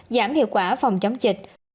giảm hiệu quả phòng chống dịch